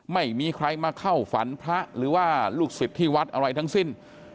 ไม่มีใครมาเข้าฝันพระหรือว่าลูกศิษย์ที่วัดอะไรทั้งสิ้น